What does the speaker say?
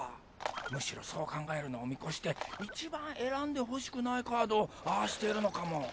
むしろそう考えるのを見越していちばん選んでほしくないカードをああしてるのかも。